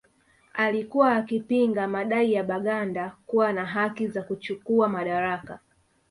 Alikuwa akipinga madai ya Baganda kuwa na haki za kuchukuwa madaraka